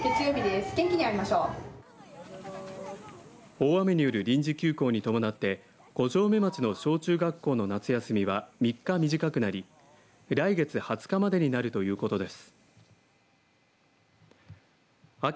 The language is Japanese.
大雨による臨時休校に伴って五城目町の小中学校の夏休みは３日短くなり来月２０日までになるということです。